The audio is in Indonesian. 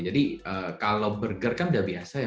jadi kalau burger kan udah biasa ya